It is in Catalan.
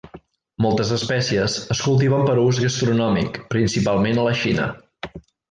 Moltes espècies es cultiven per a ús gastronòmic, principalment a la Xina.